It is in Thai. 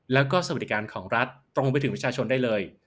แล้วก็สวัสดิการของรัฐตรงไปถึงประชาชนได้เลย